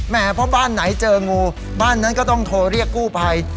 เพราะบ้านไหนเจองูบ้านนั้นก็ต้องโทรเรียกกู้ภัย